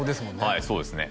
はいそうですね